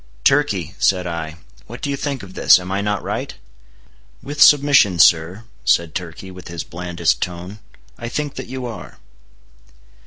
"Turkey," said I, "what do you think of this? Am I not right?" "With submission, sir," said Turkey, with his blandest tone, "I think that you are."